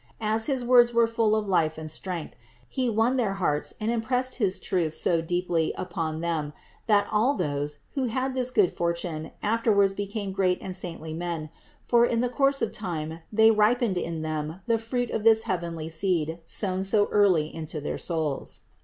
As his words were full of life and strength, He won their hearts and impressed his truths so deeply upon them, that all those, who had this good fortune, after wards became great and saintly men ; for in the course of time they ripened in themselves the fruit of this heavenly seed sown so early into their souls.